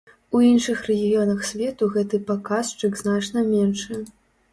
У іншых рэгіёнах свету гэты паказчык значна меншы.